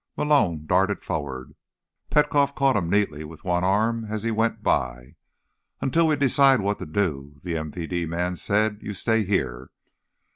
Malone darted forward. Petkoff caught him neatly with one arm as he went by. "Until we decide what to do," the MVD man said, "you stay here."